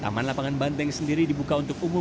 taman lapangan banteng sendiri dibuka untuk umum